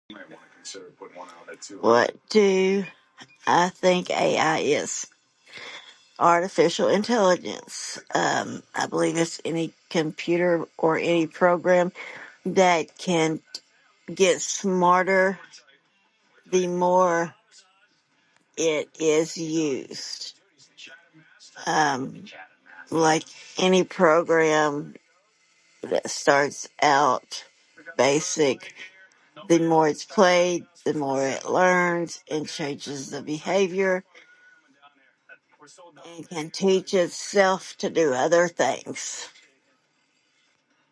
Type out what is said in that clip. What too... I think AI is, artificial intelligence, umm, I believe this is a computer or any program, that can get smarter... the more it is used. Umm, like any program that starts out basic, the more it's played, the more it learns and changes the behavior, and can teach itself to do other things.